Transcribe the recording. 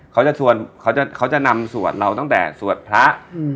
เขาจะสวนเขาจะเขาจะนำสวดเราตั้งแต่สวดพระอืม